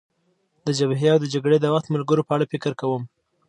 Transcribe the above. د جبهې او د جګړې د وخت ملګرو په اړه فکر کوم.